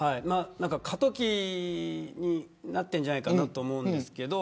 過渡期になってるんじゃないかと思うんですけど